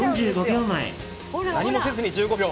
何もせずに１５秒。